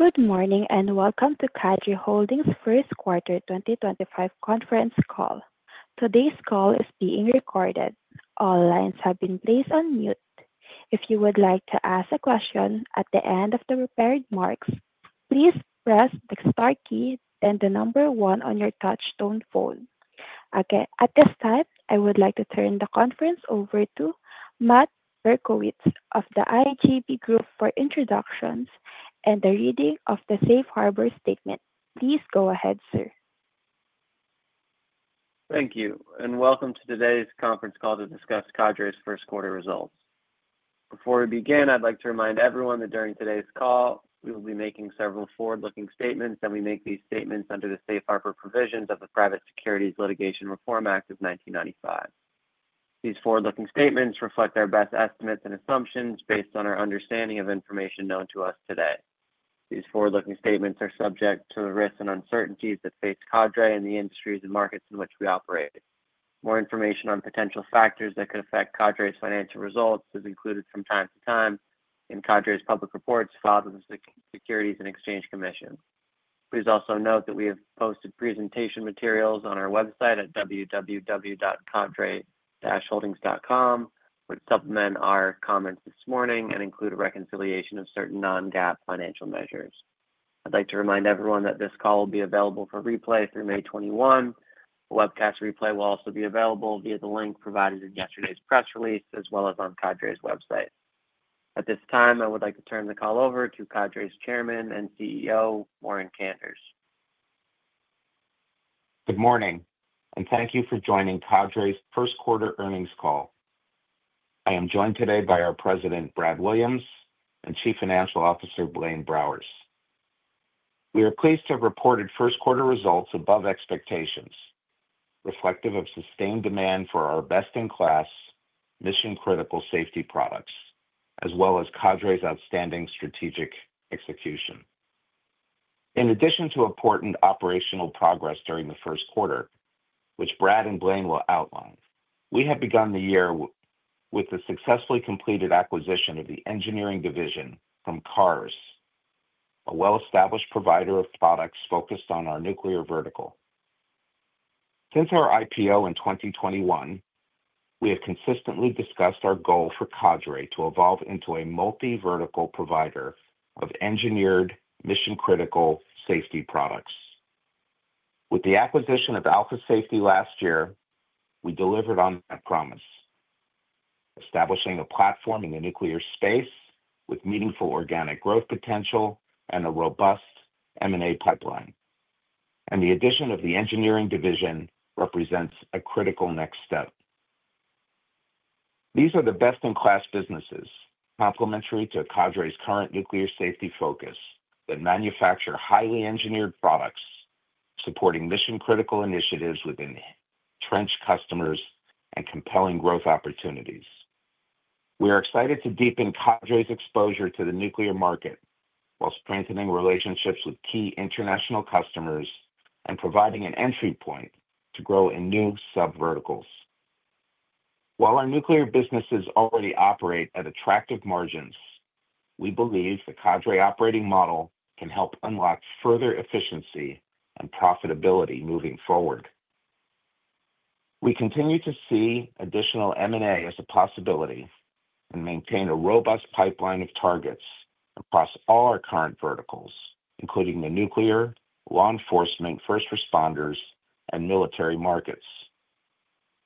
Good morning and welcome to Cadre Holdings' First Quarter 2025 Conference Call. Today's call is being recorded. All lines have been placed on mute. If you would like to ask a question at the end of the prepared marks, please press the star key and the number one on your touchstone phone. Okay, at this time, I would like to turn the conference over to Matt Berkowitz of the IGB Group for introductions and the reading of the safe harbor statement. Please go ahead, sir. Thank you, and welcome to today's conference call to discuss Cadre's first quarter results. Before we begin, I'd like to remind everyone that during today's call, we will be making several forward-looking statements, and we make these statements under the safe harbor provisions of the Private Securities Litigation Reform Act of 1995. These forward-looking statements reflect our best estimates and assumptions based on our understanding of information known to us today. These forward-looking statements are subject to the risks and uncertainties that face Cadre and the industries and markets in which we operate. More information on potential factors that could affect Cadre's financial results is included from time to time in Cadre's public reports filed with the Securities and Exchange Commission. Please also note that we have posted presentation materials on our website at www.cadre-holdings.com, which supplement our comments this morning and include a reconciliation of certain non-GAAP financial measures. I'd like to remind everyone that this call will be available for replay through May 21. A webcast replay will also be available via the link provided in yesterday's press release, as well as on Cadre's website. At this time, I would like to turn the call over to Cadre's Chairman and CEO, Warren Kanders. Good morning, and thank you for joining Cadre's first quarter earnings call. I am joined today by our President, Brad Williams, and Chief Financial Officer, Blaine Browers. We are pleased to have reported first quarter results above expectations, reflective of sustained demand for our best-in-class, mission-critical safety products, as well as Cadre's outstanding strategic execution. In addition to important operational progress during the first quarter, which Brad and Blaine will outline, we have begun the year with the successfully completed acquisition of the Engineering Division from Carr's, a well-established provider of products focused on our nuclear vertical. Since our IPO in 2021, we have consistently discussed our goal for Cadre to evolve into a multi-vertical provider of engineered, mission-critical safety products. With the acquisition of Alpha Safety last year, we delivered on that promise, establishing a platform in the nuclear space with meaningful organic growth potential and a robust M&A pipeline. The addition of the Engineering Division represents a critical next step. These are the best-in-class businesses complementary to Cadre's current nuclear safety focus that manufacture highly engineered products supporting mission-critical initiatives with entrenched customers and compelling growth opportunities. We are excited to deepen Cadre's exposure to the nuclear market while strengthening relationships with key international customers and providing an entry point to grow in new sub-verticals. While our nuclear businesses already operate at attractive margins, we believe the Cadre Operating Model can help unlock further efficiency and profitability moving forward. We continue to see additional M&A as a possibility and maintain a robust pipeline of targets across all our current verticals, including the nuclear, law enforcement, first responders, and military markets.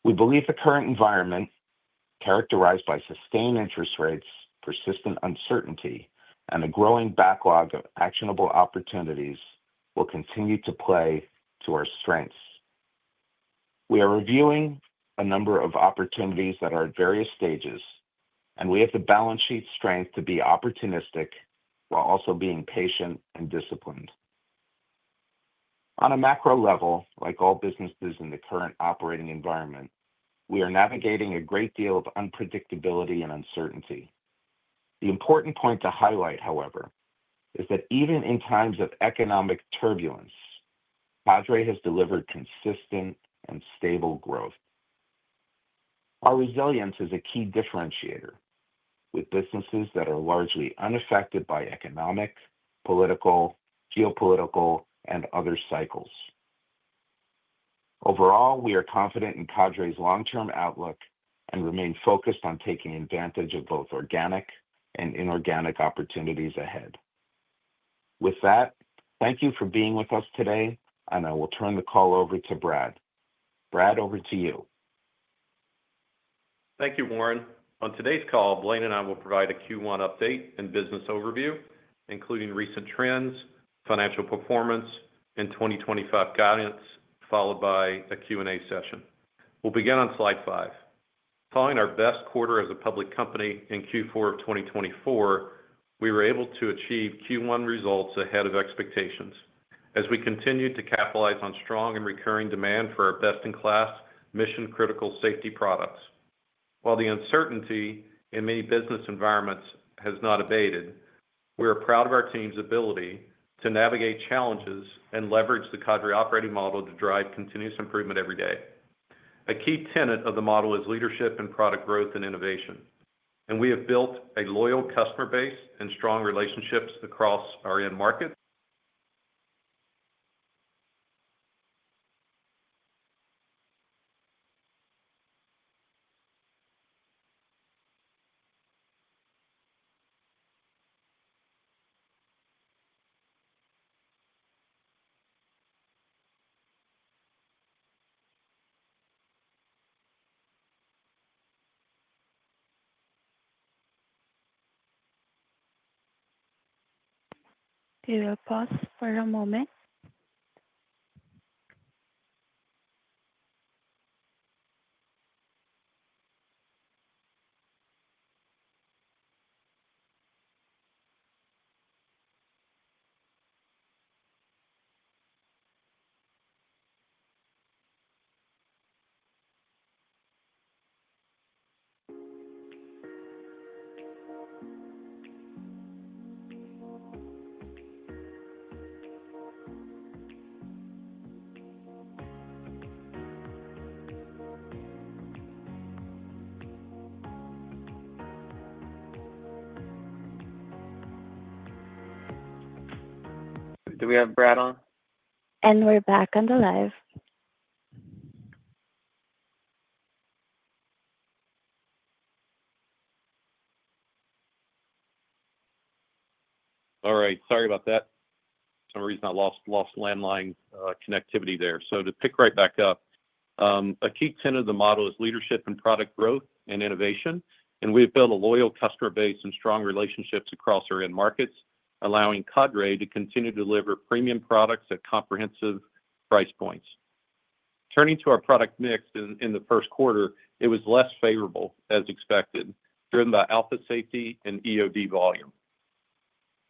We believe the current environment, characterized by sustained interest rates, persistent uncertainty, and a growing backlog of actionable opportunities, will continue to play to our strengths. We are reviewing a number of opportunities that are at various stages, and we have the balance sheet strength to be opportunistic while also being patient and disciplined. On a macro level, like all businesses in the current operating environment, we are navigating a great deal of unpredictability and uncertainty. The important point to highlight, however, is that even in times of economic turbulence, Cadre has delivered consistent and stable growth. Our resilience is a key differentiator with businesses that are largely unaffected by economic, political, geopolitical, and other cycles. Overall, we are confident in Cadre's long-term outlook and remain focused on taking advantage of both organic and inorganic opportunities ahead. With that, thank you for being with us today, and I will turn the call over to Brad. Brad, over to you. Thank you, Warren. On today's call, Blaine and I will provide a Q1 update and business overview, including recent trends, financial performance, and 2025 guidance, followed by a Q&A session. We'll begin on slide five. Following our best quarter as a public company in Q4 of 2024, we were able to achieve Q1 results ahead of expectations as we continued to capitalize on strong and recurring demand for our best-in-class, mission-critical safety products. While the uncertainty in many business environments has not abated, we are proud of our team's ability to navigate challenges and leverage the Cadre Operating Model to drive continuous improvement every day. A key tenet of the model is leadership in product growth and innovation, and we have built a loyal customer base and strong relationships across our end market. Please pause for a moment. Do we have Brad on? We're back on the live. All right. Sorry about that. For some reason, I lost landline connectivity there. To pick right back up, a key tenet of the model is leadership in product growth and innovation, and we have built a loyal customer base and strong relationships across our end markets, allowing Cadre to continue to deliver premium products at comprehensive price points. Turning to our product mix in the first quarter, it was less favorable as expected, driven by Alpha Safety and EOD volume.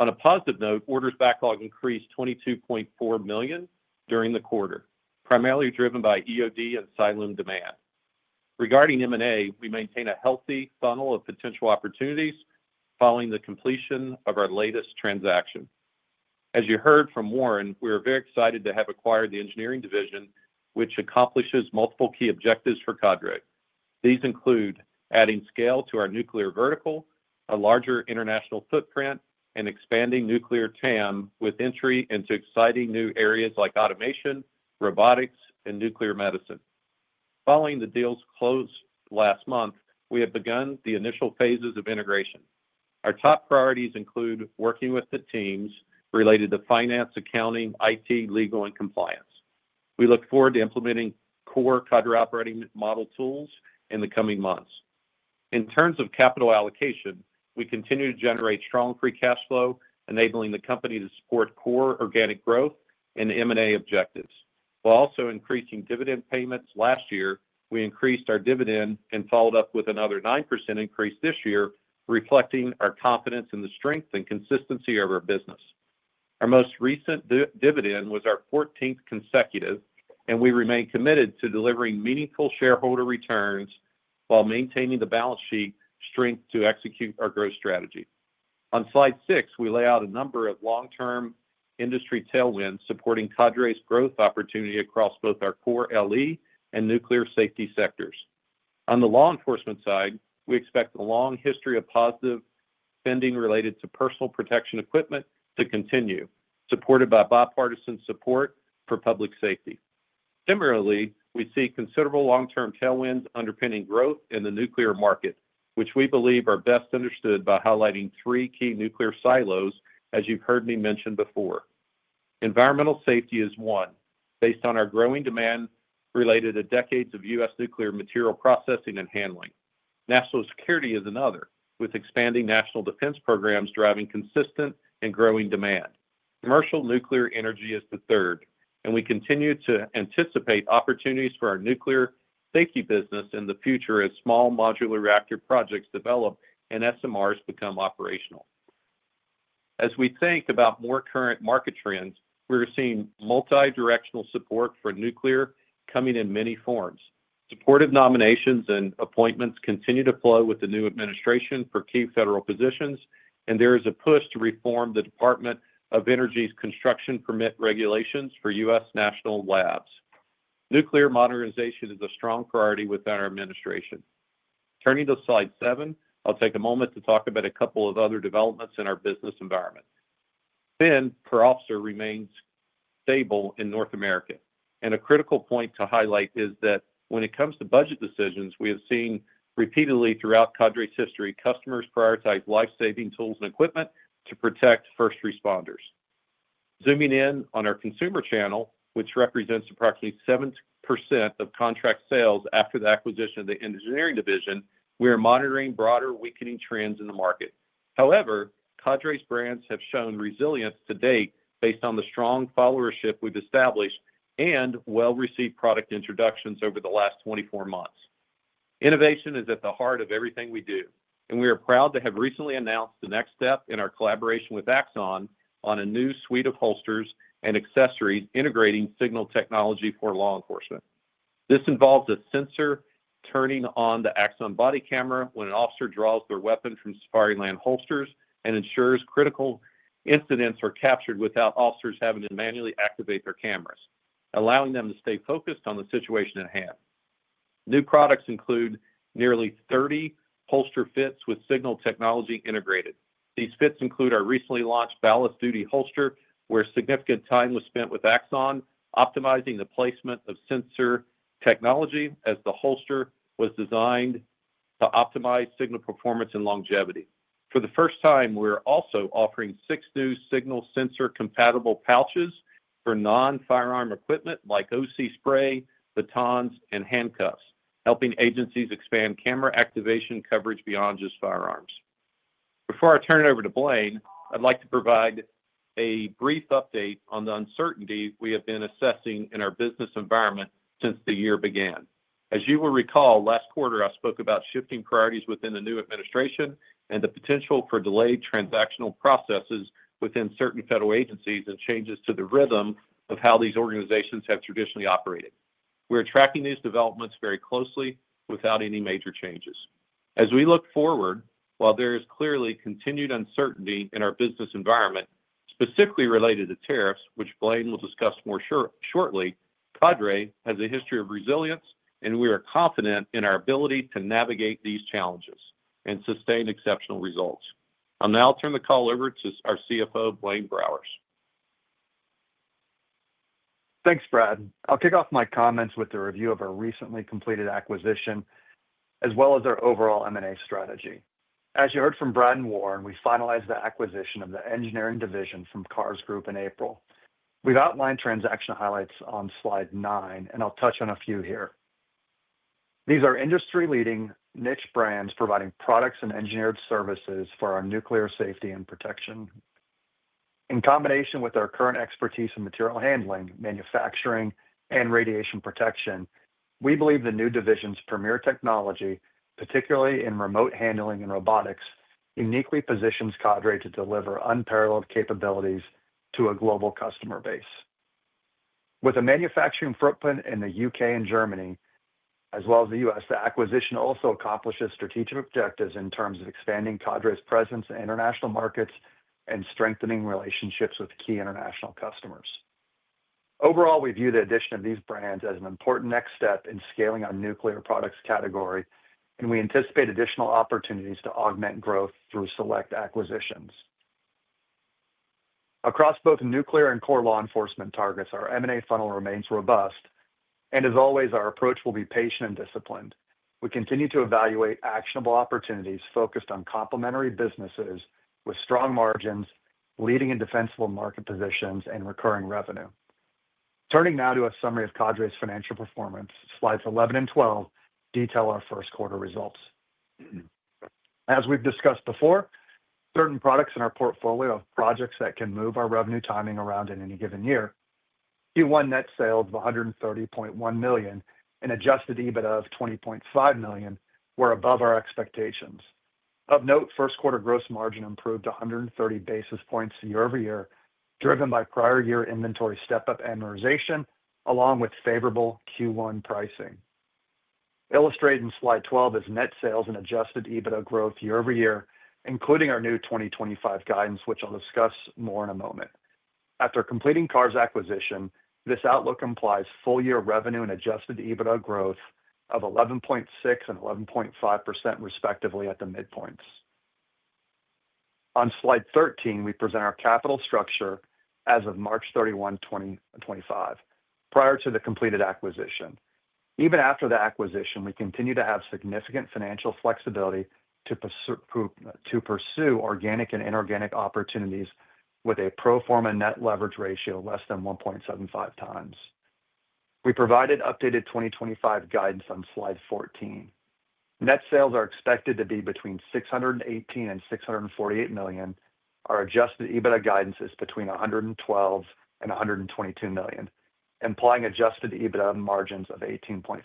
On a positive note, orders backlog increased $22.4 million during the quarter, primarily driven by EOD and siloed demand. Regarding M&A, we maintain a healthy funnel of potential opportunities following the completion of our latest transaction. As you heard from Warren, we are very excited to have acquired the Engineering Division, which accomplishes multiple key objectives for Cadre. These include adding scale to our nuclear vertical, a larger international footprint, and expanding nuclear TAM with entry into exciting new areas like automation, robotics, and nuclear medicine. Following the deal's close last month, we have begun the initial phases of integration. Our top priorities include working with the teams related to finance, accounting, IT, legal, and compliance. We look forward to implementing core Cadre Operating Model tools in the coming months. In terms of capital allocation, we continue to generate strong free cash flow, enabling the company to support core organic growth and M&A objectives. While also increasing dividend payments last year, we increased our dividend and followed up with another 9% increase this year, reflecting our confidence in the strength and consistency of our business. Our most recent dividend was our 14th consecutive, and we remain committed to delivering meaningful shareholder returns while maintaining the balance sheet strength to execute our growth strategy. On slide six, we lay out a number of long-term industry tailwinds supporting Cadre's growth opportunity across both our core LE and nuclear safety sectors. On the law enforcement side, we expect a long history of positive spending related to personal protection equipment to continue, supported by bipartisan support for public safety. Similarly, we see considerable long-term tailwinds underpinning growth in the nuclear market, which we believe are best understood by highlighting three key nuclear silos, as you've heard me mention before. Environmental safety is one, based on our growing demand related to decades of U.S. nuclear material processing and handling. National security is another, with expanding national defense programs driving consistent and growing demand. Commercial nuclear energy is the third, and we continue to anticipate opportunities for our nuclear safety business in the future as small modular reactor projects develop and SMRs become operational. As we think about more current market trends, we're seeing multidirectional support for nuclear coming in many forms. Supportive nominations and appointments continue to flow with the new administration for key federal positions, and there is a push to reform the Department of Energy's construction permit regulations for U.S. national labs. Nuclear modernization is a strong priority within our administration. Turning to slide seven, I'll take a moment to talk about a couple of other developments in our business environment. Fin per officer remains stable in North America, and a critical point to highlight is that when it comes to budget decisions, we have seen repeatedly throughout Cadre's history, customers prioritize life-saving tools and equipment to protect first responders. Zooming in on our consumer channel, which represents approximately 7% of contract sales after the acquisition of the Engineering Division, we are monitoring broader weakening trends in the market. However, Cadre's brands have shown resilience to date based on the strong followership we've established and well-received product introductions over the last 24 months. Innovation is at the heart of everything we do, and we are proud to have recently announced the next step in our collaboration with Axon on a new suite of holsters and accessories integrating signal technology for law enforcement. This involves a sensor turning on the Axon Body camera when an officer draws their weapon from Safariland holsters and ensures critical incidents are captured without officers having to manually activate their cameras, allowing them to stay focused on the situation at hand. New products include nearly 30 holster fits with signal technology integrated. These fits include our recently launched Ballast Duty holster, where significant time was spent with Axon optimizing the placement of sensor technology as the holster was designed to optimize signal performance and longevity. For the first time, we're also offering six new signal sensor-compatible pouches for non-firearm equipment like OC spray, batons, and handcuffs, helping agencies expand camera activation coverage beyond just firearms. Before I turn it over to Blaine, I'd like to provide a brief update on the uncertainty we have been assessing in our business environment since the year began. As you will recall, last quarter, I spoke about shifting priorities within the new administration and the potential for delayed transactional processes within certain federal agencies and changes to the rhythm of how these organizations have traditionally operated. We're tracking these developments very closely without any major changes. As we look forward, while there is clearly continued uncertainty in our business environment, specifically related to tariffs, which Blaine will discuss more shortly, Cadre has a history of resilience, and we are confident in our ability to navigate these challenges and sustain exceptional results. I'll now turn the call over to our CFO, Blaine Browers. Thanks, Brad. I'll kick off my comments with the review of our recently completed acquisition, as well as our overall M&A strategy. As you heard from Brad and Warren, we finalized the acquisition of the Engineering Division from Carr's Group in April. We've outlined transaction highlights on slide nine, and I'll touch on a few here. These are industry-leading niche brands providing products and engineered services for our nuclear safety and protection. In combination with our current expertise in material handling, manufacturing, and radiation protection, we believe the new division's premier technology, particularly in remote handling and robotics, uniquely positions Cadre to deliver unparalleled capabilities to a global customer base. With a manufacturing footprint in the U.K. and Germany, as well as the U.S., the acquisition also accomplishes strategic objectives in terms of expanding Cadre's presence in international markets and strengthening relationships with key international customers. Overall, we view the addition of these brands as an important next step in scaling our nuclear products category, and we anticipate additional opportunities to augment growth through select acquisitions. Across both nuclear and core law enforcement targets, our M&A funnel remains robust, and as always, our approach will be patient and disciplined. We continue to evaluate actionable opportunities focused on complementary businesses with strong margins, leading and defensible market positions, and recurring revenue. Turning now to a summary of Cadre's financial performance, slides 11 and 12 detail our first quarter results. As we've discussed before, certain products in our portfolio have projects that can move our revenue timing around in any given year. Q1 net sales of $130.1 million and adjusted EBITDA of $20.5 million were above our expectations. Of note, first quarter gross margin improved to 130 basis points year-over-year, driven by prior year inventory step-up amortization, along with favorable Q1 pricing. Illustrated in slide 12 is net sales and adjusted EBITDA growth year-over-year, including our new 2025 guidance, which I'll discuss more in a moment. After completing Carr's' acquisition, this outlook implies full year revenue and adjusted EBITDA growth of 11.6% and 11.5% respectively at the midpoints. On slide 13, we present our capital structure as of March 31, 2025, prior to the completed acquisition. Even after the acquisition, we continue to have significant financial flexibility to pursue organic and inorganic opportunities with a pro forma net leverage ratio less than 1.75x. We provided updated 2025 guidance on slide 14. Net sales are expected to be between $618 million and $648 million. Our adjusted EBITDA guidance is between $112 million and $122 million, implying adjusted EBITDA margins of 18.5%.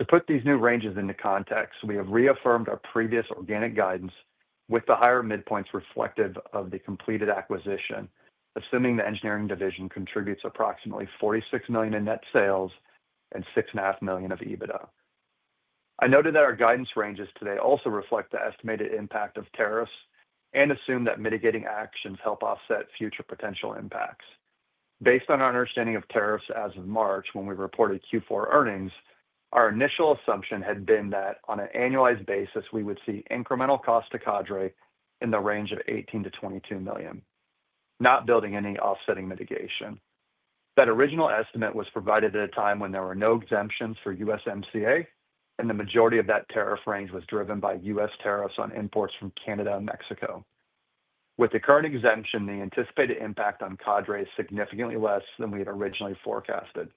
To put these new ranges into context, we have reaffirmed our previous organic guidance with the higher midpoints reflective of the completed acquisition, assuming the Engineering Division contributes approximately $46 million in net sales and $6.5 million of EBITDA. I noted that our guidance ranges today also reflect the estimated impact of tariffs and assume that mitigating actions help offset future potential impacts. Based on our understanding of tariffs as of March, when we reported Q4 earnings, our initial assumption had been that on an annualized basis, we would see incremental cost to Cadre in the range of $18 million-$22 million, not building any offsetting mitigation. That original estimate was provided at a time when there were no exemptions for USMCA, and the majority of that tariff range was driven by U.S. Tariffs on imports from year-over-year and Mexico. With the current exemption, the anticipated impact on Cadre is significantly less than we had originally forecasted.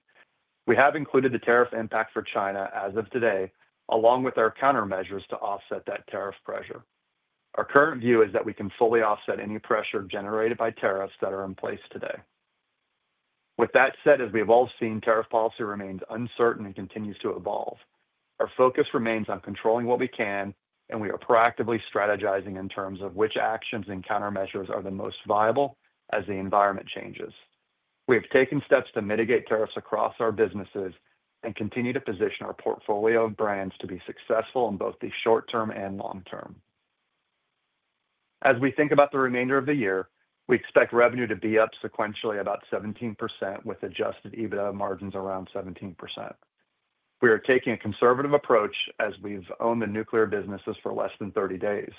We have included the tariff impact for China as of today, along with our countermeasures to offset that tariff pressure. Our current view is that we can fully offset any pressure generated by tariffs that are in place today. With that said, as we have all seen, tariff policy remains uncertain and continues to evolve. Our focus remains on controlling what we can, and we are proactively strategizing in terms of which actions and countermeasures are the most viable as the environment changes. We have taken steps to mitigate tariffs across our businesses and continue to position our portfolio of brands to be successful in both the short term and long term. As we think about the remainder of the year, we expect revenue to be up sequentially about 17%, with adjusted EBITDA margins around 17%. We are taking a conservative approach as we've owned the nuclear businesses for less than 30 days.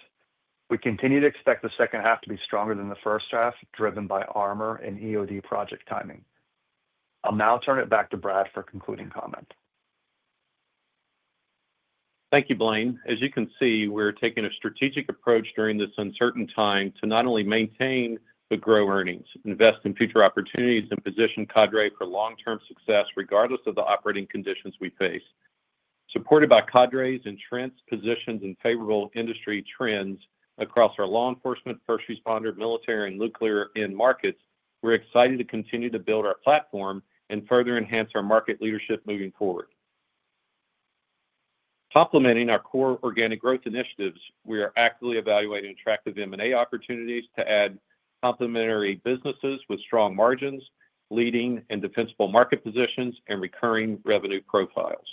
We continue to expect the second half to be stronger than the first half, driven by armor and EOD project timing. I'll now turn it back to Brad for a concluding comment. Thank you, Blaine. As you can see, we're taking a strategic approach during this uncertain time to not only maintain but grow earnings, invest in future opportunities, and position Cadre for long-term success regardless of the operating conditions we face. Supported by Cadre's entrenched positions and favorable industry trends across our law enforcement, first responder, military, and nuclear markets, we're excited to continue to build our platform and further enhance our market leadership moving forward. Complementing our core organic growth initiatives, we are actively evaluating attractive M&A opportunities to add complementary businesses with strong margins, leading and defensible market positions, and recurring revenue profiles.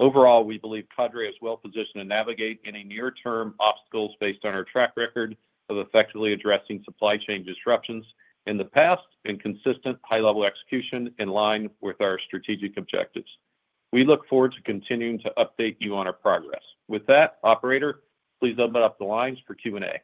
Overall, we believe Cadre is well-positioned to navigate any near-term obstacles based on our track record of effectively addressing supply chain disruptions in the past and consistent high-level execution in line with our strategic objectives. We look forward to continuing to update you on our progress. With that, operator, please open up the lines for Q&A.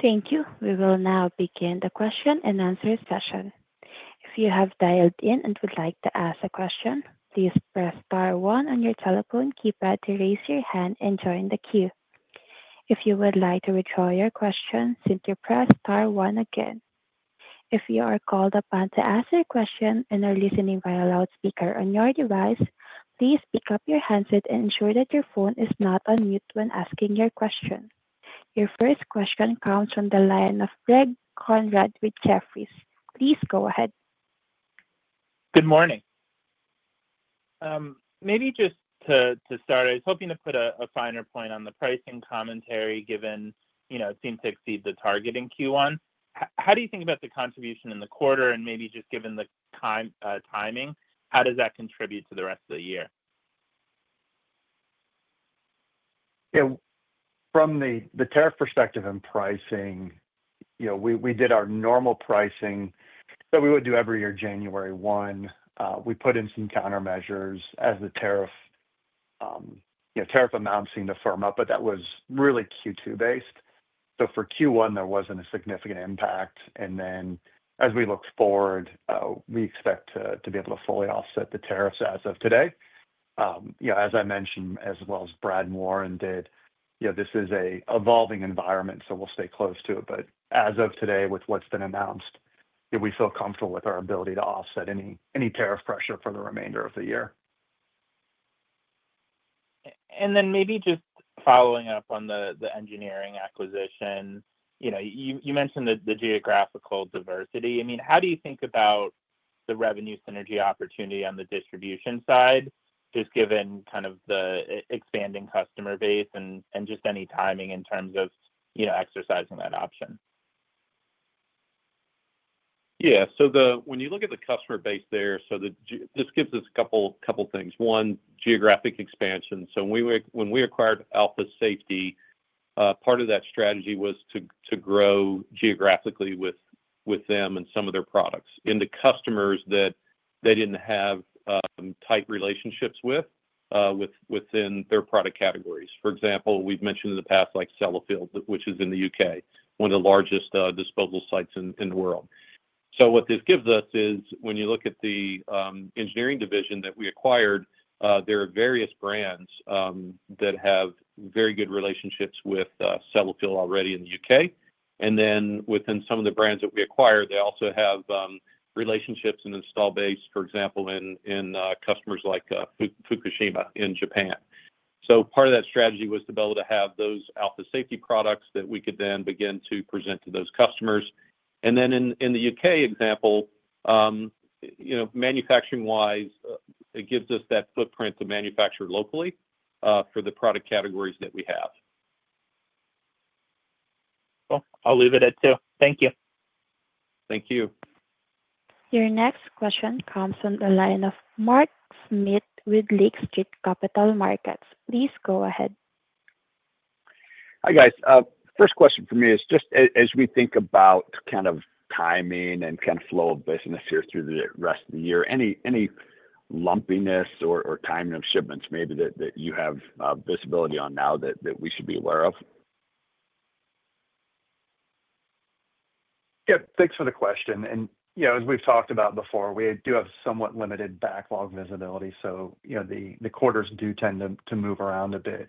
Thank you. We will now begin the question and answer session. If you have dialed in and would like to ask a question, please press star one on your telephone keypad to raise your hand and join the queue. If you would like to withdraw your question, simply press star one again. If you are called upon to ask a question and are listening via loudspeaker on your device, please pick up your handset and ensure that your phone is not on mute when asking your question. Your first question comes from the line of Greg Konrad with Jefferies. Please go ahead. Good morning. Maybe just to start, I was hoping to put a finer point on the pricing commentary given it seemed to exceed the target in Q1. How do you think about the contribution in the quarter? Maybe just given the timing, how does that contribute to the rest of the year? From the tariff perspective and pricing, we did our normal pricing that we would do every year, January 1. We put in some countermeasures as the tariff amounts seemed to firm up, but that was really Q2 based. For Q1, there was not a significant impact. As we look forward, we expect to be able to fully offset the tariffs as of today. As I mentioned, as well as Brad Williams did, this is an evolving environment, so we will stay close to it. As of today, with what has been announced, we feel comfortable with our ability to offset any tariff pressure for the remainder of the year. Maybe just following up on the Engineering acquisition, you mentioned the geographical diversity. I mean, how do you think about the revenue synergy opportunity on the distribution side, just given kind of the expanding customer base and just any timing in terms of exercising that option? Yeah. So when you look at the customer base there, this gives us a couple of things. One, geographic expansion. When we acquired Alpha Safety, part of that strategy was to grow geographically with them and some of their products into customers that they did not have tight relationships with within their product categories. For example, we have mentioned in the past, like Sellafield, which is in the U.K., one of the largest disposal sites in the world. What this gives us is when you look at the Engineering Division that we acquired, there are various brands that have very good relationships with Sellafield already in the U.K. Then within some of the brands that we acquired, they also have relationships and install base, for example, in customers like Fukushima in Japan. Part of that strategy was to be able to have those Alpha Safety products that we could then begin to present to those customers. In the U.K. example, manufacturing-wise, it gives us that footprint to manufacture locally for the product categories that we have. I'll leave it at two. Thank you. Thank you. Your next question comes from the line of Mark Smith with Lake Street Capital Markets. Please go ahead. Hi guys. First question for me is just as we think about kind of timing and kind of flow of business here through the rest of the year, any lumpiness or timing of shipments maybe that you have visibility on now that we should be aware of? Yeah. Thanks for the question. As we've talked about before, we do have somewhat limited backlog visibility. The quarters do tend to move around a bit.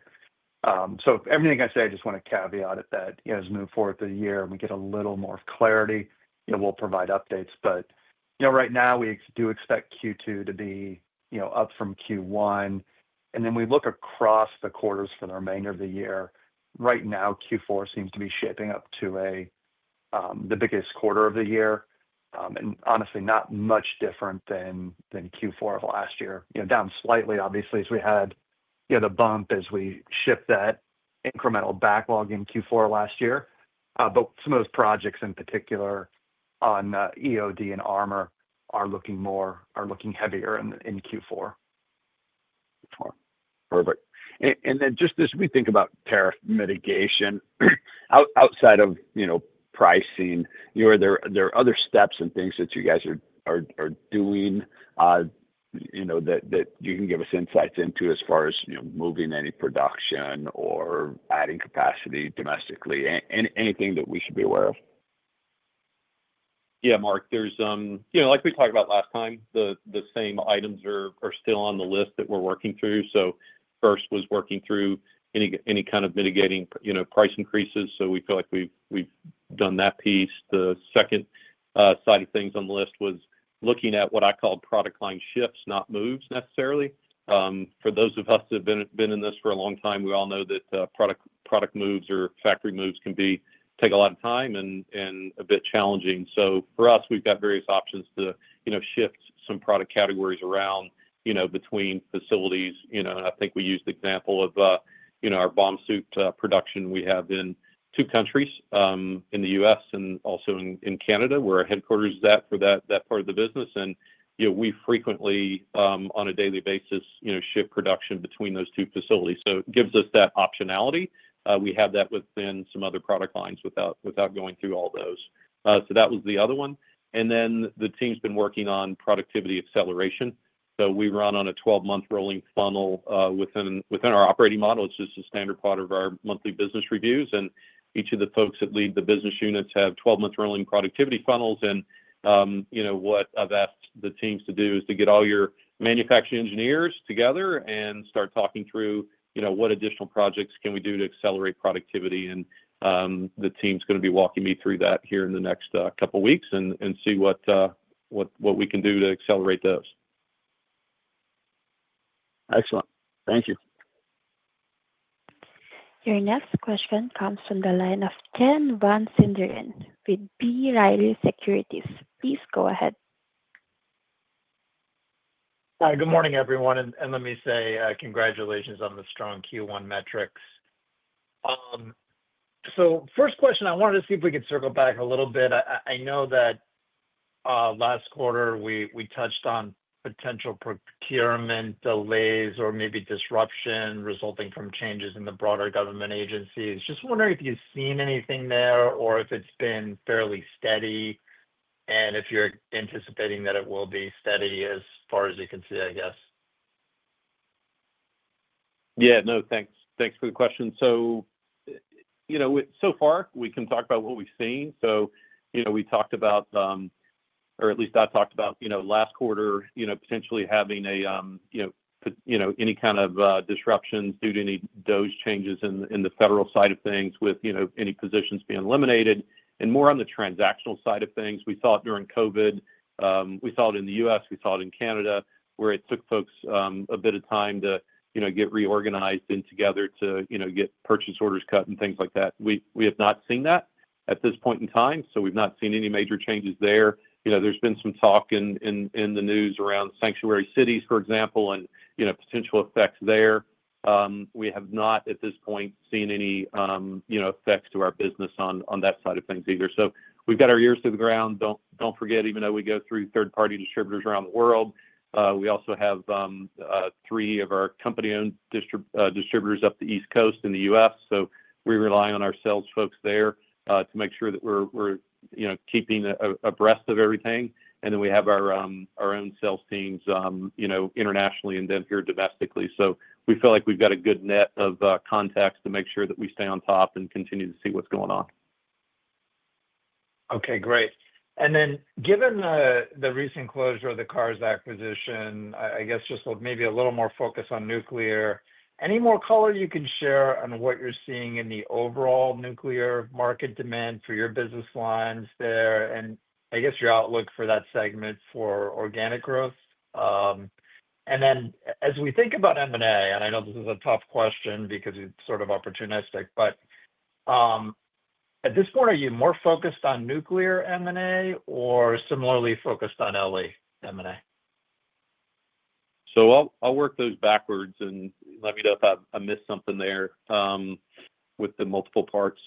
Everything I say, I just want to caveat it that as we move forward through the year and we get a little more clarity, we'll provide updates. Right now, we do expect Q2 to be up from Q1. We look across the quarters for the remainder of the year. Right now, Q4 seems to be shaping up to the biggest quarter of the year. Honestly, not much different than Q4 of last year. Down slightly, obviously, as we had the bump as we shipped that incremental backlog in Q4 last year. Some of those projects in particular on EOD and armor are looking heavier in Q4. Perfect. Just as we think about tariff mitigation, outside of pricing, are there other steps and things that you guys are doing that you can give us insights into as far as moving any production or adding capacity domestically, anything that we should be aware of? Yeah, Mark, like we talked about last time, the same items are still on the list that we're working through. First was working through any kind of mitigating price increases. We feel like we've done that piece. The second side of things on the list was looking at what I call product line shifts, not moves necessarily. For those of us who have been in this for a long time, we all know that product moves or factory moves can take a lot of time and be a bit challenging. For us, we've got various options to shift some product categories around between facilities. I think we used the example of our bomb suit production we have in two countries, in the U.S. and also in Canada, where our headquarters is at for that part of the business. We frequently, on a daily basis, shift production between those two facilities. It gives us that optionality. We have that within some other product lines without going through all those. That was the other one. The team's been working on productivity acceleration. We run on a 12-month rolling funnel within our Operating Model. It's just a standard part of our monthly business reviews. Each of the folks that lead the business units have 12-month rolling productivity funnels. What I've asked the teams to do is to get all your manufacturing engineers together and start talking through what additional projects can we do to accelerate productivity. The team's going to be walking me through that here in the next couple of weeks and see what we can do to accelerate those. Excellent. Thank you. Your next question comes from the line of Jeff Van Sinderen with B. Riley Securities. Please go ahead. Hi, good morning, everyone. Let me say congratulations on the strong Q1 metrics. First question, I wanted to see if we could circle back a little bit. I know that last quarter, we touched on potential procurement delays or maybe disruption resulting from changes in the broader government agencies. Just wondering if you've seen anything there or if it's been fairly steady and if you're anticipating that it will be steady as far as you can see, I guess. Yeah. No, thanks. Thanks for the question. So far, we can talk about what we've seen. We talked about, or at least I talked about last quarter, potentially having any kind of disruptions due to any dose changes in the federal side of things with any positions being eliminated. More on the transactional side of things, we saw it during COVID. We saw it in the U.S. We saw it in Canada, where it took folks a bit of time to get reorganized and together to get purchase orders cut and things like that. We have not seen that at this point in time. We have not seen any major changes there. There has been some talk in the news around sanctuary cities, for example, and potential effects there. We have not, at this point, seen any effects to our business on that side of things either. We've got our ears to the ground. Don't forget, even though we go through third-party distributors around the world, we also have three of our company-owned distributors up the East Coast in the U.S. We rely on our sales folks there to make sure that we're keeping abreast of everything. We have our own sales teams internationally and here domestically. We feel like we've got a good net of contacts to make sure that we stay on top and continue to see what's going on. Okay, great. Given the recent closure of the Carr's acquisition, I guess just maybe a little more focus on nuclear. Any more color you can share on what you're seeing in the overall nuclear market demand for your business lines there and I guess your outlook for that segment for organic growth? As we think about M&A, and I know this is a tough question because it's sort of opportunistic, but at this point, are you more focused on nuclear M&A or similarly focused on LE M&A? I'll work those backwards. Let me know if I missed something there with the multiple parts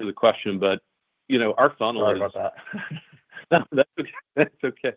to the question. Our funnel is. Sorry about that. That's okay.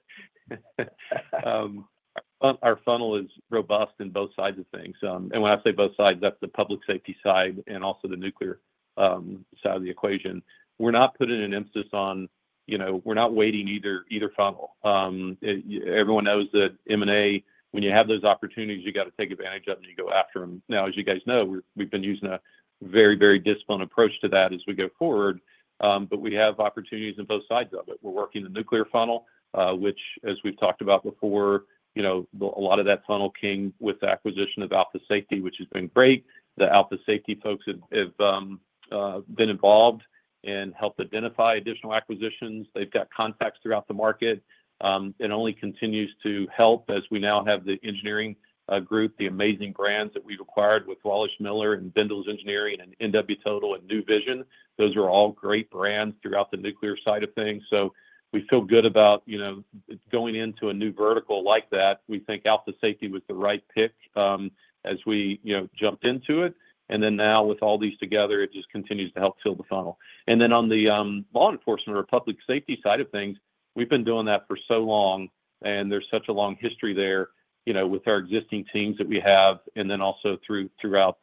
Our funnel is robust in both sides of things. When I say both sides, that's the public safety side and also the nuclear side of the equation. We're not putting an emphasis on, we're not weighting either funnel. Everyone knows that M&A, when you have those opportunities, you got to take advantage of them and you go after them. Now, as you guys know, we've been using a very, very disciplined approach to that as we go forward. We have opportunities in both sides of it. We're working the nuclear funnel, which, as we've talked about before, a lot of that funnel came with the acquisition of Alpha Safety, which has been great. The Alpha Safety folks have been involved and helped identify additional acquisitions. They've got contacts throughout the market. It only continues to help as we now have the Engineering Group, the amazing brands that we've acquired with Wallace Miller and Bendalls Engineering and NW Total and NuVision. Those are all great brands throughout the nuclear side of things. We feel good about going into a new vertical like that. We think Alpha Safety was the right pick as we jumped into it. Now, with all these together, it just continues to help fill the funnel. On the law enforcement or public safety side of things, we've been doing that for so long. There's such a long history there with our existing teams that we have. Also, throughout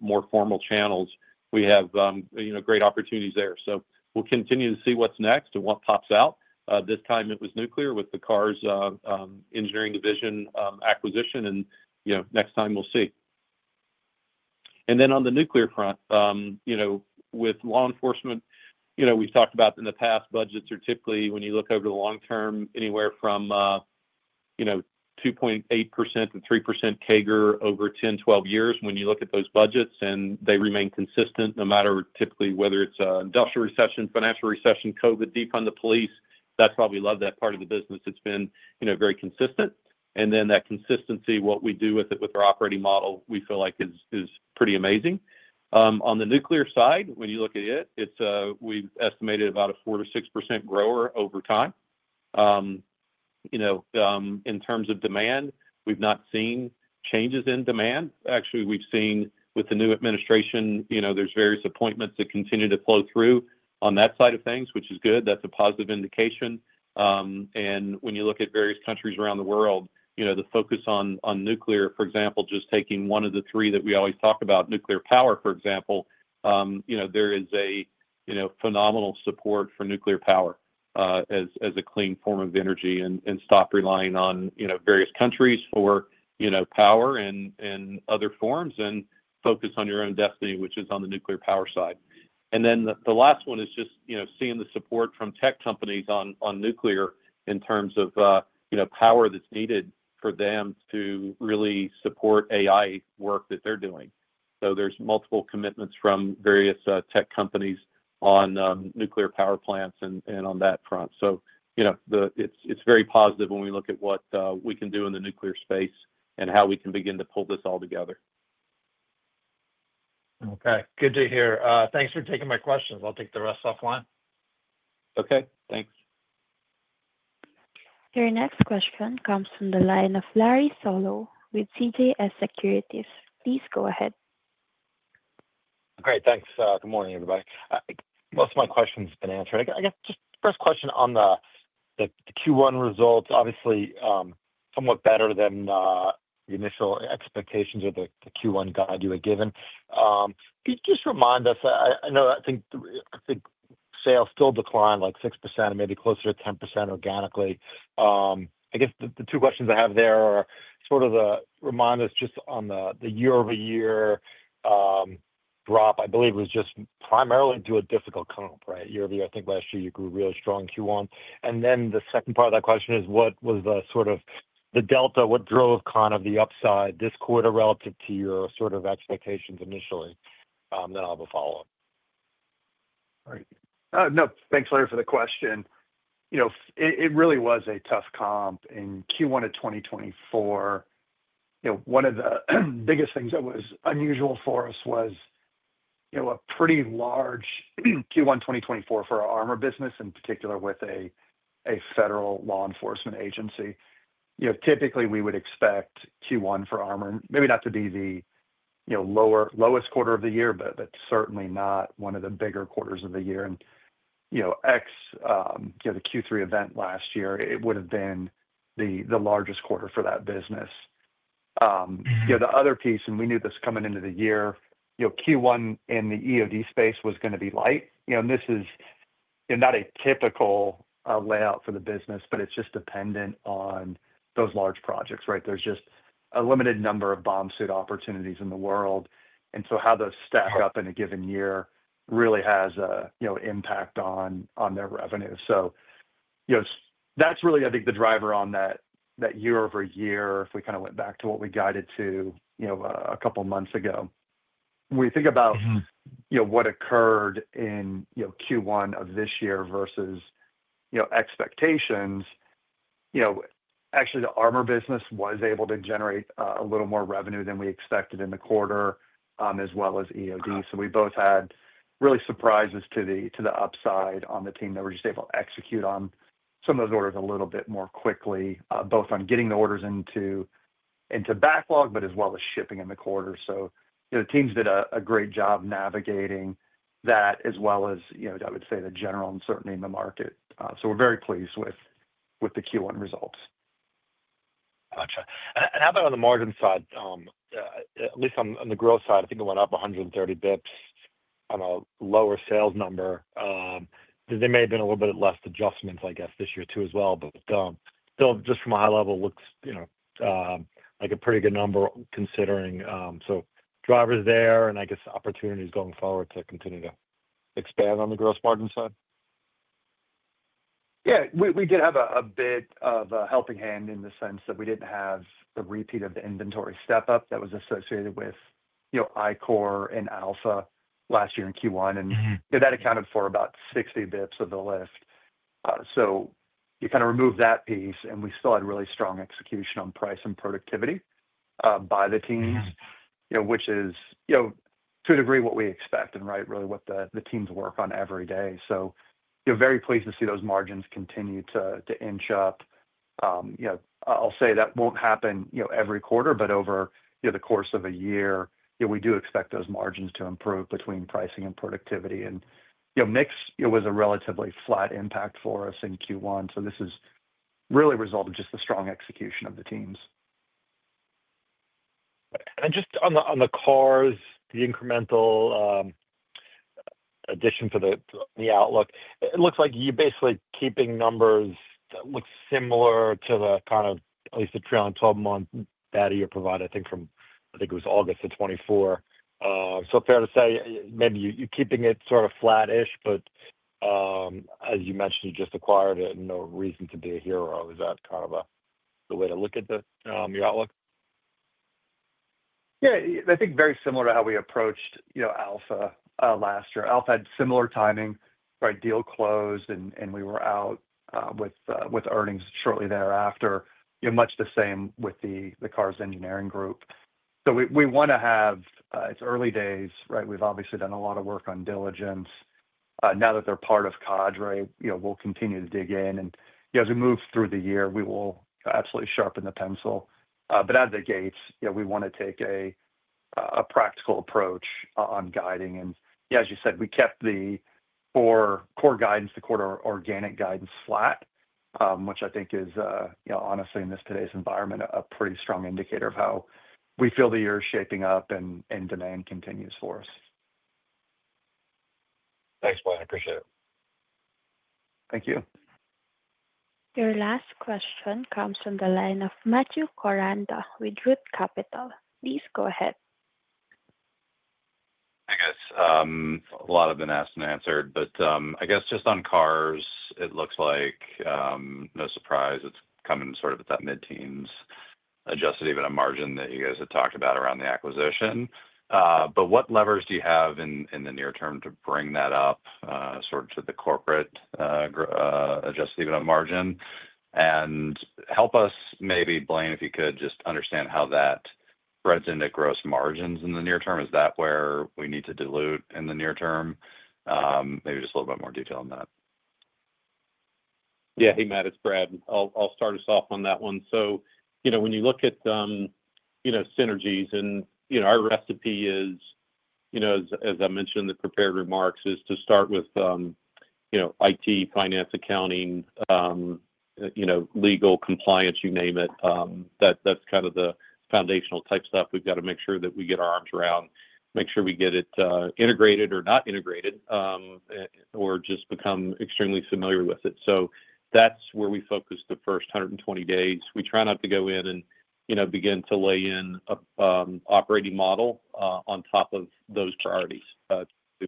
more formal channels, we have great opportunities there. We'll continue to see what's next and what pops out. This time, it was nuclear with the Carr's Engineering Division acquisition. Next time, we'll see. On the nuclear front, with law enforcement, we've talked about in the past, budgets are typically, when you look over the long term, anywhere from 2.8%-3% CAGR over 10, 12 years when you look at those budgets. They remain consistent no matter typically whether it's an industrial recession, financial recession, COVID, defund the police. That's why we love that part of the business. It's been very consistent. That consistency, what we do with it with our Operating Model, we feel like is pretty amazing. On the nuclear side, when you look at it, we've estimated about a 4%-6% grower over time. In terms of demand, we've not seen changes in demand. Actually, we've seen with the new administration, there's various appointments that continue to flow through on that side of things, which is good. That's a positive indication. When you look at various countries around the world, the focus on nuclear, for example, just taking one of the three that we always talk about, nuclear power, for example, there is a phenomenal support for nuclear power as a clean form of energy and stop relying on various countries for power and other forms and focus on your own destiny, which is on the nuclear power side. The last one is just seeing the support from tech companies on nuclear in terms of power that's needed for them to really support AI work that they're doing. There are multiple commitments from various tech companies on nuclear power plants and on that front. It is very positive when we look at what we can do in the nuclear space and how we can begin to pull this all together. Okay. Good to hear. Thanks for taking my questions. I'll take the rest offline. Okay. Thanks. Your next question comes from the line of Larry Solow with CJS Securities. Please go ahead. Great. Thanks. Good morning, everybody. Most of my questions have been answered. I guess just first question on the Q1 results, obviously somewhat better than the initial expectations or the Q1 guide you had given. Could you just remind us? I know I think sales still declined like 6%, maybe closer to 10% organically. I guess the two questions I have there are sort of the reminders just on the year-over-year drop. I believe it was just primarily due to a difficult comp, right? Year-over-year, I think last year you grew really strong in Q1. The second part of that question is, what was the sort of the delta, what drove kind of the upside this quarter relative to your sort of expectations initially? I will have a follow-up. All right. No, thanks, Larry, for the question. It really was a tough comp. In Q1 of 2024, one of the biggest things that was unusual for us was a pretty large Q1 2024 for our armor business, in particular with a federal law enforcement agency. Typically, we would expect Q1 for armor maybe not to be the lowest quarter of the year, but certainly not one of the bigger quarters of the year. Ex the Q3 event last year, it would have been the largest quarter for that business. The other piece, and we knew this coming into the year, Q1 in the EOD space was going to be light. This is not a typical layout for the business, but it is just dependent on those large projects, right? There is just a limited number of bomb suit opportunities in the world. How those stack up in a given year really has an impact on their revenue. That's really, I think, the driver on that year-over-year, if we kind of went back to what we guided to a couple of months ago. When we think about what occurred in Q1 of this year versus expectations, actually, the armor business was able to generate a little more revenue than we expected in the quarter, as well as EOD. We both had really surprises to the upside on the team that were just able to execute on some of those orders a little bit more quickly, both on getting the orders into backlog, but as well as shipping in the quarter. The teams did a great job navigating that, as well as, I would say, the general uncertainty in the market. We're very pleased with the Q1 results. Gotcha. How about on the margin side? At least on the growth side, I think it went up 130 bps on a lower sales number. There may have been a little bit of less adjustments, I guess, this year too as well. Still, just from a high level, looks like a pretty good number considering some drivers there and, I guess, opportunities going forward to continue to expand on the gross margin side. Yeah. We did have a bit of a helping hand in the sense that we did not have the repeat of the inventory step-up that was associated with ICOR and Alpha last year in Q1. That accounted for about 60 bps of the lift. You kind of remove that piece, and we still had really strong execution on price and productivity by the teams, which is to a degree what we expect and really what the teams work on every day. Very pleased to see those margins continue to inch up. I'll say that will not happen every quarter, but over the course of a year, we do expect those margins to improve between pricing and productivity. Mix was a relatively flat impact for us in Q1. This has really resulted in just the strong execution of the teams. Just on the Carr's, the incremental addition for the outlook, it looks like you're basically keeping numbers that look similar to the kind of, at least the 12-month data you provided, I think, from, I think it was August of 2024. Fair to say maybe you're keeping it sort of flat-ish, but as you mentioned, you just acquired it. No reason to be a hero. Is that kind of the way to look at your outlook? Yeah. I think very similar to how we approached Alpha last year. Alpha had similar timing, right? Deal closed, and we were out with earnings shortly thereafter, much the same with the Carr's Engineering Group. We want to have, it's early days, right? We've obviously done a lot of work on diligence. Now that they're part of Cadre, we'll continue to dig in. As we move through the year, we will absolutely sharpen the pencil. As it gates, we want to take a practical approach on guiding. Yeah, as you said, we kept the core guidance, the core organic guidance flat, which I think is, honestly, in this today's environment, a pretty strong indicator of how we feel the year is shaping up and demand continues for us. Thanks, Blaine. I appreciate it. Thank you. Your last question comes from the line of Matthew Koranda with Roth Capital. Please go ahead. I guess a lot has been asked and answered, but I guess just on Carr's, it looks like no surprise. It's coming sort of at that mid-teens adjusted EBITDA margin that you guys had talked about around the acquisition. What levers do you have in the near term to bring that up sort of to the corporate adjusted EBITDA margin? Help us, maybe Blaine, if you could, just understand how that threads into gross margins in the near term. Is that where we need to dilute in the near term? Maybe just a little bit more detail on that. Yeah. Hey, Matt, it's Brad. I'll start us off on that one. When you look at synergies and our recipe is, as I mentioned in the prepared remarks, to start with IT, finance, accounting, legal compliance, you name it. That's kind of the foundational type stuff. We've got to make sure that we get our arms around, make sure we get it integrated or not integrated, or just become extremely familiar with it. That's where we focus the first 120 days. We try not to go in and begin to lay in an Operating Model on top of those priorities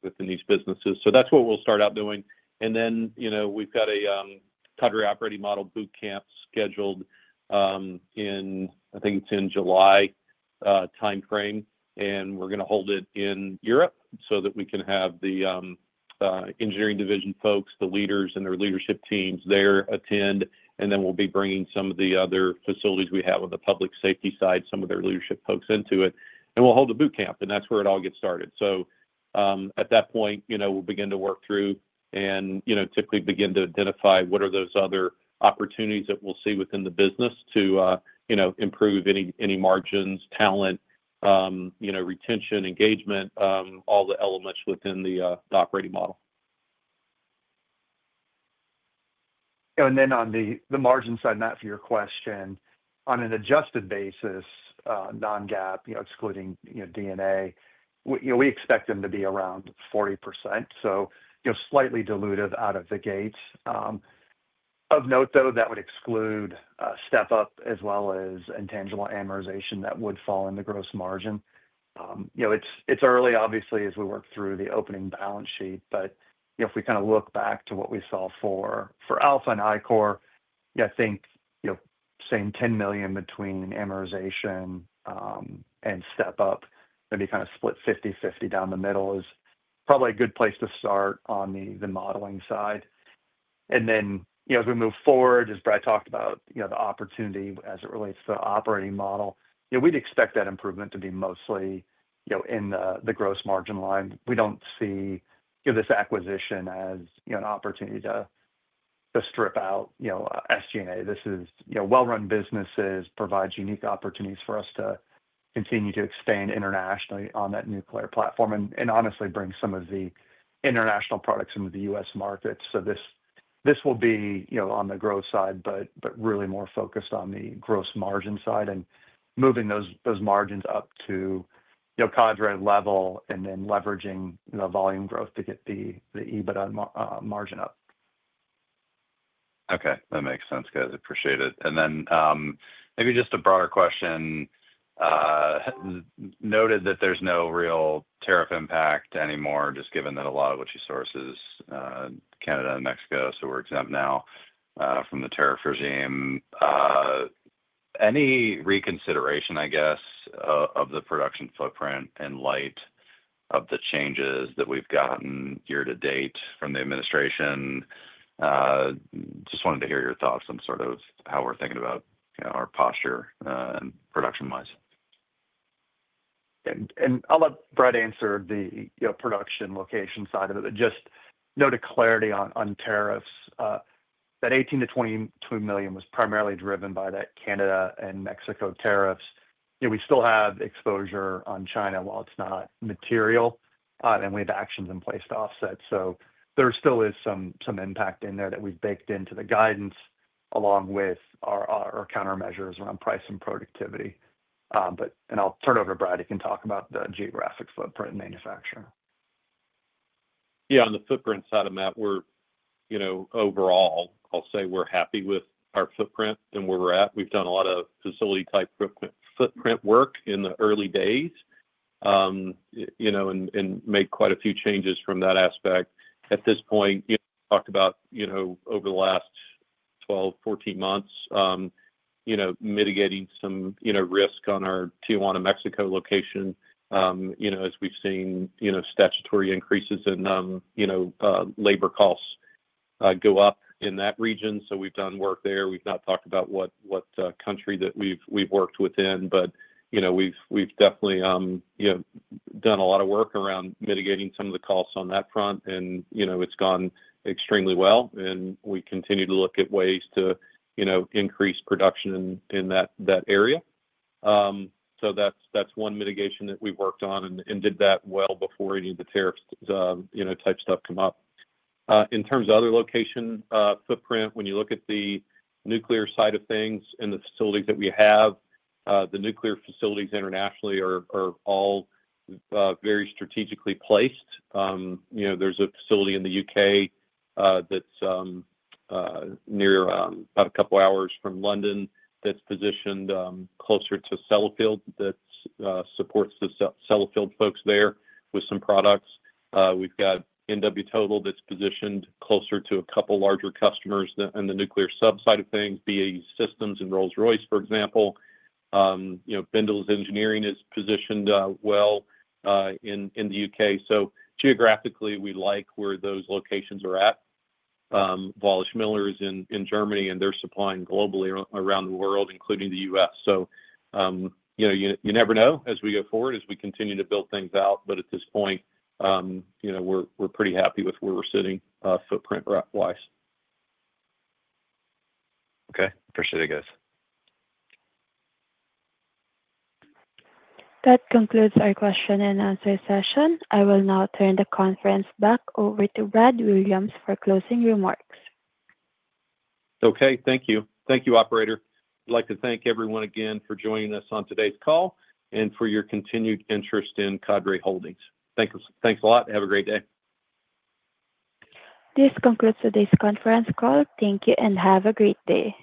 within these businesses. That's what we'll start out doing. We've got a Cadre Operating Model bootcamp scheduled in, I think it's in July timeframe. We're going to hold it in Europe so that we can have the Engineering Division folks, the leaders and their leadership teams there attend. We'll be bringing some of the other facilities we have on the public safety side, some of their leadership folks into it. We'll hold a bootcamp. That's where it all gets started. At that point, we'll begin to work through and typically begin to identify what are those other opportunities that we'll see within the business to improve any margins, talent, retention, engagement, all the elements within the Operating Model. On the margin side, Matt, for your question, on an adjusted basis, non-GAAP, excluding D&A, we expect them to be around 40%. Slightly diluted out of the gates. Of note, though, that would exclude step-up as well as intangible amortization that would fall in the gross margin. It is early, obviously, as we work through the opening balance sheet. If we kind of look back to what we saw for Alpha and ICOR, I think same $10 million between amortization and step-up, maybe kind of split 50/50 down the middle is probably a good place to start on the modeling side. As we move forward, as Brad talked about, the opportunity as it relates to the Operating Model, we would expect that improvement to be mostly in the gross margin line. We do not see this acquisition as an opportunity to strip out SG&A. This is well-run businesses, provides unique opportunities for us to continue to expand internationally on that nuclear platform and honestly bring some of the international products into the US market. This will be on the growth side, but really more focused on the gross margin side and moving those margins up to Cadre level and then leveraging the volume growth to get the EBITDA margin up. Okay. That makes sense, guys. Appreciate it. Maybe just a broader question. Noted that there's no real tariff impact anymore, just given that a lot of what you source is Canada and Mexico, so we're exempt now from the tariff regime. Any reconsideration, I guess, of the production footprint in light of the changes that we've gotten year to date from the administration? Just wanted to hear your thoughts on sort of how we're thinking about our posture and production-wise. I'll let Brad answer the production location side of it, but just note a clarity on tariffs. That $18 million-$22 million was primarily driven by that Canada and Mexico tariffs. We still have exposure on China while it's not material, and we have actions in place to offset. There still is some impact in there that we've baked into the guidance along with [RR] countermeasures around price and productivity. I'll turn it over to Brad, he can talk about the geographic footprint and manufacturing. Yeah. On the footprint side of that, we're overall, I'll say we're happy with our footprint and where we're at. We've done a lot of facility-type footprint work in the early days and made quite a few changes from that aspect. At this point, talked about over the last 12-14 months, mitigating some risk on our Tijuana, Mexico location as we've seen statutory increases in labor costs go up in that region. We've done work there. We've not talked about what country that we've worked within, but we've definitely done a lot of work around mitigating some of the costs on that front. It's gone extremely well. We continue to look at ways to increase production in that area. That's one mitigation that we've worked on and did that well before any of the tariffs type stuff come up. In terms of other location footprint, when you look at the nuclear side of things and the facilities that we have, the nuclear facilities internationally are all very strategically placed. There is a facility in the U.K. that is near about a couple of hours from London that is positioned closer to Sellafield that supports the Sellafield folks there with some products. We have got NW Total that is positioned closer to a couple of larger customers in the nuclear subside of things, BAE Systems and Rolls-Royce, for example. Bendalls Engineering is positioned well in the U.K. So geographically, we like where those locations are at. Wallace Miller is in Germany, and they are supplying globally around the world, including the U.S. You never know as we go forward as we continue to build things out. At this point, we are pretty happy with where we are sitting footprint-wise. Okay. Appreciate it, guys. That concludes our question and answer session. I will now turn the conference back over to Brad Williams for closing remarks. Okay. Thank you. Thank you, operator. I'd like to thank everyone again for joining us on today's call and for your continued interest in Cadre Holdings. Thanks a lot. Have a great day. This concludes today's conference call. Thank you and have a great day.